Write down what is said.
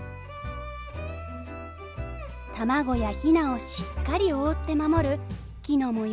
卵やヒナをしっかり覆って守る木の模様